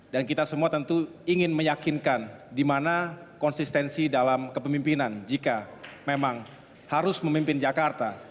kita semua tentu ingin meyakinkan di mana konsistensi dalam kepemimpinan jika memang harus memimpin jakarta